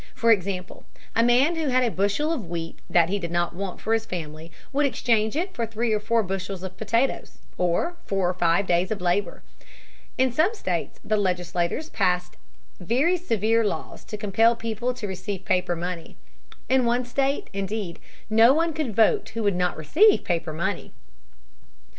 For example, a man who had a bushel of wheat that he did not want for his family would exchange it for three or four bushels of potatoes, or for four or five days of labor. In some states the legislatures passed very severe laws to compel people to receive paper money. In one state, indeed, no one could vote who would not receive paper money.